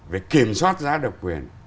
về kiểm soát giá độc quyền